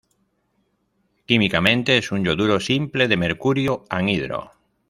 Químicamente es un yoduro simple de mercurio, anhidro.